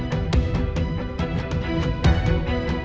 kamu betul stuck